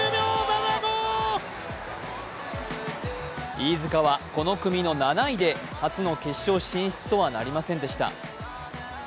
飯塚はこの組の７位で初の決勝進出とはなりませんでした。